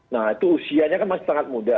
nah itu usianya kan masih sangat muda